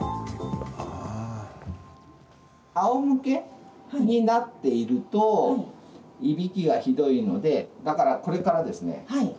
あおむけになっているといびきがひどいのでだから、これからですね